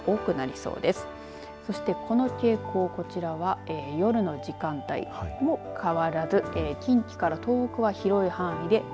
そして、この傾向、こちらは夜の時間帯も変わらず、近畿から東北は広い範囲で雨。